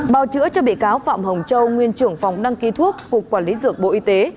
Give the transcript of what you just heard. bào chữa cho bị cáo phạm hồng châu nguyên trưởng phòng đăng ký thuốc cục quản lý dược bộ y tế